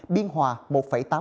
biên hòa một tám mươi bốn m